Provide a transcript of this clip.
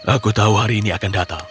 aku tahu hari ini akan datang